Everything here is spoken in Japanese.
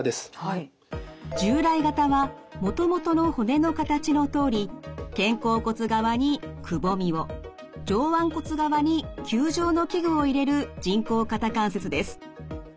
従来型はもともとの骨の形のとおり肩甲骨側にくぼみを上腕骨側に球状の器具を入れる人工肩関節です。